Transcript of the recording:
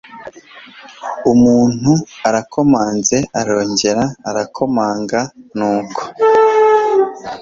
umuntu arakomanze arongera arakomanga nuko